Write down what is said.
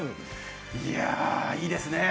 いや、いいですね。